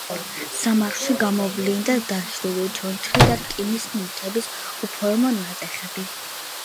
სამარხში გამოვლინდა დაშლილი ჩონჩხი და რკინის ნივთების უფორმო ნატეხები.